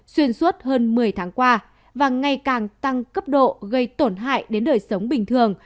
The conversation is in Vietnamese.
xuyên suốt hơn một mươi tháng qua và ngày càng tăng cấp độ gây tổn hại đến đời sống bình thường